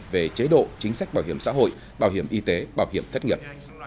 về chế độ chính sách bảo hiểm xã hội bảo hiểm y tế bảo hiểm thất nghiệp